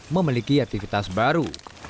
memiliki aktivitas baru